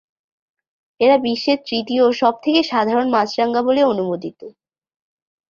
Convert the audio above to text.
এরা বিশ্বের তৃতীয় সবথেকে সাধারণ মাছরাঙা বলে অনুমোদিত।